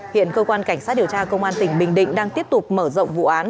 hiện cơ quan cảnh sát điều tra công an tỉnh bình định đang tiếp tục mở rộng vụ án